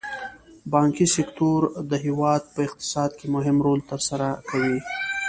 بانکي سکتور د هېواد په اقتصاد کې مهم رول تر سره کوي.